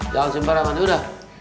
jangan sembarangan yaudah